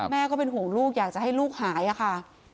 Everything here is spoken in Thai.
ก็เป็นห่วงลูกอยากจะให้ลูกหายค่ะ